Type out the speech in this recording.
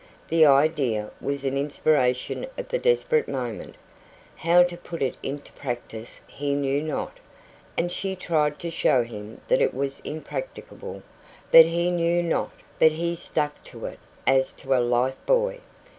The idea was an inspiration of the desperate moment. How to put it into practice he knew not, and she tried to show him that it was impracticable; but he stuck to it as to a life buoy.